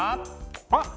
あっ！